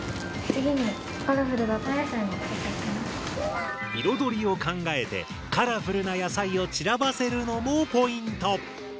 次に彩りを考えてカラフルな野菜を散らばせるのもポイント。